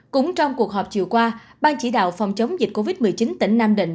cũng trong cuộc họp chiều qua ban chỉ đạo phòng chống dịch covid một mươi chín tỉnh nam định